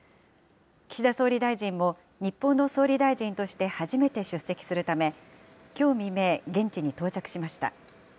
岸田総理大臣も、日本の総理大臣として初めて出席するため、きょう未明、現地に到着しました。